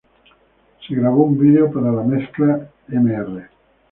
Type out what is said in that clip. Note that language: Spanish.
Se grabó un vídeo para la mezcla Mr.